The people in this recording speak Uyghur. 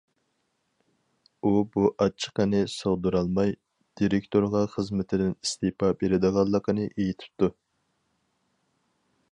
ئۇ بۇ ئاچچىقىنى سىغدۇرالماي، دىرېكتورغا خىزمىتىدىن ئىستېپا بېرىدىغانلىقىنى ئېيتىپتۇ.